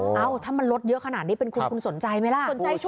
ถ้ามันลดเยอะขนาดนี้คุณสนใจไหมล่ะ